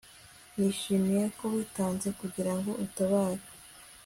Nishimiye ko witanze kugirango utabare